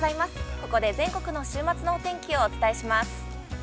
ここで全国の週末のお天気をお伝えします。